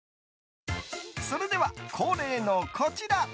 それでは、恒例のこちら。